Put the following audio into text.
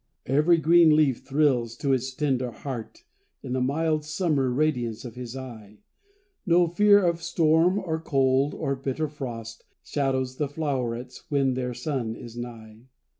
Every green leaf thrills to its tender heart, In the mild summer radiance of his eye; No fear of storm, or cold, or bitter frost, Shadows the flowerets when their sun is nigh.